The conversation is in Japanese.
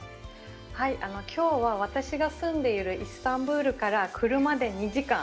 きょうは、私が住んでいるイスタンブールから車で２時間。